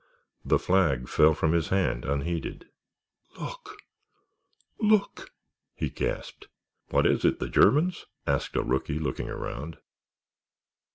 The flag fell from his hand unheeded. "Look—look!," he gasped. "What is it, the Germans?" asked a rookie, looking around.